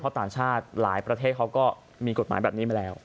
เพราะต่างชาติหลายประเทศเขาก็มีกฎหมายแบบนี้มาแล้ว